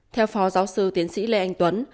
theo phó giáo sư tiến sĩ lê anh tuấn